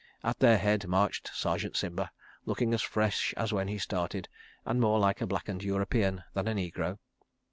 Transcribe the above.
At their head marched Sergeant Simba, looking as fresh as when he started, and more like a blackened European than a negro.